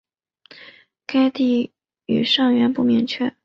该地语源尚不明确。